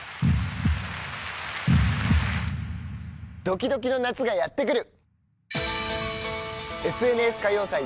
ドキドキの夏がやってくる。